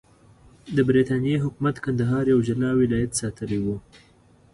د برټانیې حکومت کندهار یو جلا ولایت ساتلی وو.